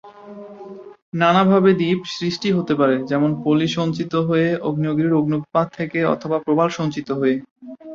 নানাভাবে দ্বীপ সৃষ্টি হতে পারে, যেমন পলি সঞ্চিত হয়ে, আগ্নেয়গিরির অগ্ন্যুৎপাত থেকে, অথবা প্রবাল সঞ্চিত হয়ে।